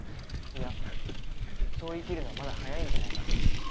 いやそう言い切るのはまだ早いんじゃないかな。